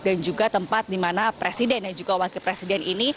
dan juga tempat dimana presiden dan juga wakil presiden ini